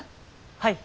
はい。